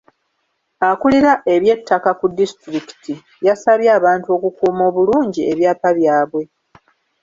Akuulira eby'ettaka ku disitulikiti yasabye abantu okukuuma obulungi ebyapa byabwe.